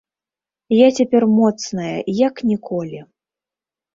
Я цяпер моцная, як ніколі.